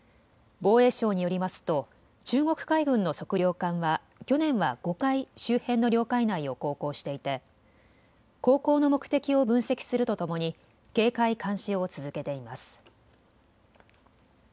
防衛省によりますと中国海軍の測量艦は去年は５回、周辺の領海内を航行していて航行の目的を分析するとともに警戒・監視を続けています。